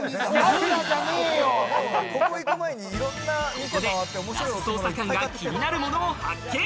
ここで那須捜査官が気になるものを発見。